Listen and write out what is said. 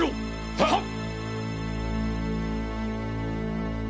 はっ！